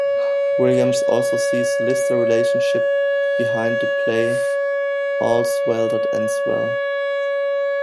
Williams also sees the Lister relationship behind the play "All's Well That Ends Well".